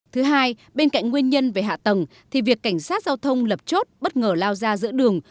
thứ hai bên cạnh nguyên nhân về hạ tầng thì việc cảnh sát giao thông lập chốt bất ngờ lao ra giữa đường